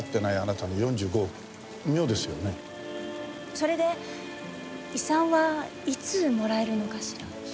それで遺産はいつもらえるのかしら？